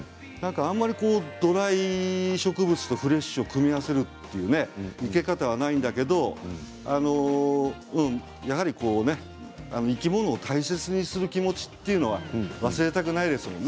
あんまりドライ植物とフレッシュを組み合わせるという生け方はないんですけれど生き物を大切する気持ちというのは忘れたくないですよね。